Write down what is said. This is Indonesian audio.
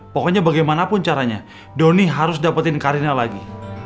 pokoknya bagaimanapun caranya doni harus dapetin karina lagi